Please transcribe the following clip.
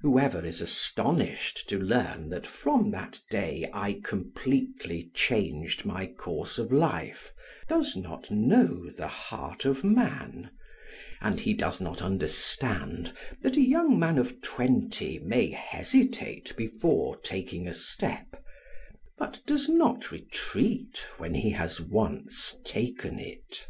Whoever is astonished to learn that from that day I completely changed my course of life does not know the heart of man, and he does not understand that a young man of twenty may hesitate before taking a step, but does not retreat when he has once taken it.